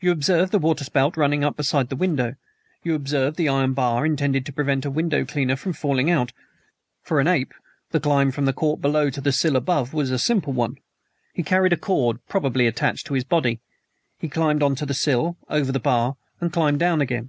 "You observed the waterspout running up beside the window; you observed the iron bar intended to prevent a window cleaner from falling out? For an ape the climb from the court below to the sill above was a simple one. He carried a cord, probably attached to his body. He climbed on to the sill, over the bar, and climbed down again.